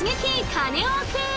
カネオくん！